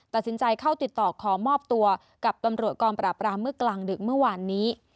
ตัดสินใจเข้าติดต่อขอมอบตัวกับตำรวจกองปราบรามเมื่อกลางดึกเมื่อวานนี้